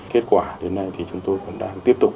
kết quả đến nay thì chúng tôi vẫn đang tiếp tục